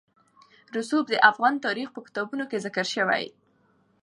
رسوب د افغان تاریخ په کتابونو کې ذکر شوي دي.